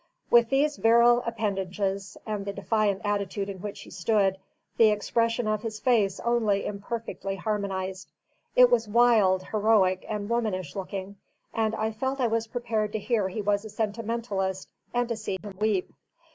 With these virile appendages and the defiant attitude in which he stood, the expression of his face only imperfectly harmonised. It was wild, heroic, and womanish looking; and I felt I was prepared to hear he was a sentimentalist, and to see him weep.